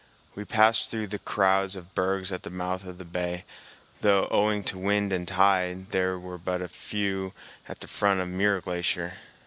We passed through crowds of bergs at the mouth of the bay, though, owing to wind and tide, there were but few at the front of Muir Glacier.